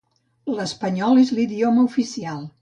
L'espanyol és l'idioma oficial.